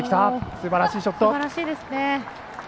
すばらしいショット。